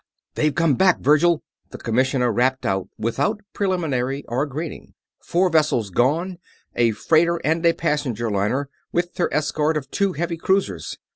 "They've come back, Virgil!" The Commissioner rapped out without preliminary or greeting. "Four vessels gone a freighter and a passenger liner, with her escort of two heavy cruisers.